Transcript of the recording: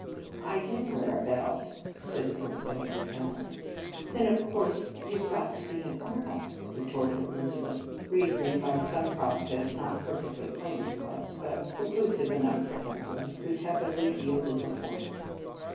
" I do wear a belt," said the prosaic Emily. " Then, of course, you ve got to be an earl," retorted Elizabeth; reason ing by some process, not perfectly plain to us, but conclusive enough for Emily, who tepidly yielded the point.